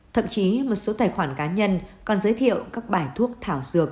thậm chí một số tài khoản cá nhân còn giới thiệu các bài thuốc thảo dược